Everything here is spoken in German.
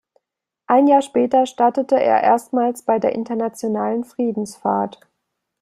Ein Jahr später startete er erstmals bei der Internationalen Friedensfahrt.